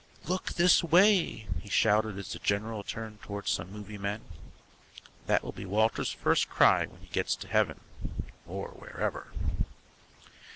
"Look this way!" he shouted as the general turned toward some movie men. That will be Walter's first cry when he gets to heaven, or wherever.